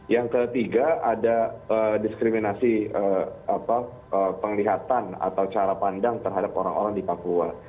yang ketiga ada diskriminasi penglihatan atau cara pandang terhadap orang orang di papua